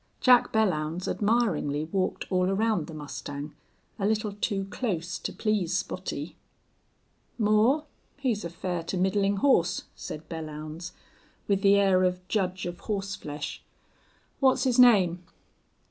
Jack Belllounds admiringly walked all around the mustang a little too close to please Spottie. "Moore, he's a fair to middling horse," said Belllounds, with the air of judge of horseflesh. "What's his name?"